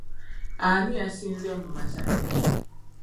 Ani yasinze mu bazanyi?